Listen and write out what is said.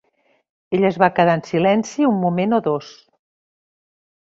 Ella es va quedar en silenci un moment o dos.